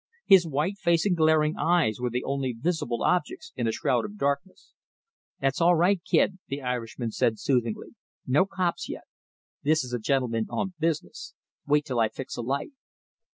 His white face and glaring eyes were the only visible objects in a shroud of darkness. "That's all right, kid," the Irishman said soothingly. "No cops yet. This is a gentleman on business. Wait till I fix a light."